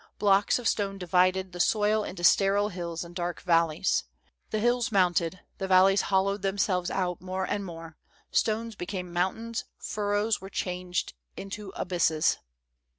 Blocks of stone divided the soil into sterile hills and dark valleys. The hills mounted, the valleys hollowed themselves out more and more ; stones became mountains, furrows were changed into abysses.